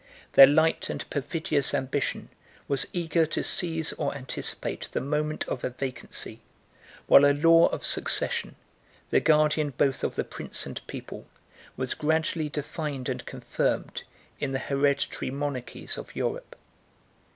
Their light and perfidious ambition was eager to seize or anticipate the moment of a vacancy, while a law of succession, the guardian both of the prince and people, was gradually defined and confirmed in the hereditary monarchies of Europe.